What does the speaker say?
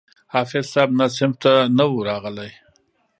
حافظ صاحب نه صنف ته نه وو راغلى.